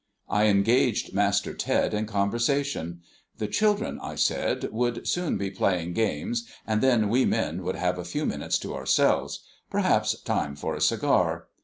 I engaged Master Ted in conversation. The children, I said, would soon be playing games, and then we men would have a few minutes to ourselves perhaps time for a cigar.